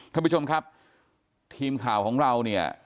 ท่านผู้ชมครับทีมข่าวของเราเนี่ย